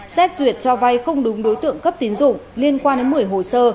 xét duyệt cho vay không đúng đối tượng cấp tín dụng liên quan đến một mươi hồ sơ